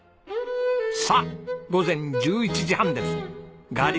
さあ午前１１時半です。